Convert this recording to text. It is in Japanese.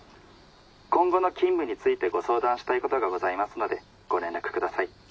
今後の勤務についてご相談したいことがございますのでご連絡下さい。